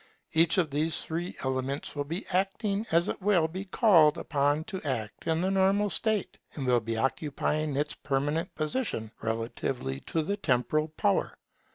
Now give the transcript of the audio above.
Each of these three elements will be acting as it will be called upon to act in the normal state, and will be occupying its permanent position relatively to the temporal power.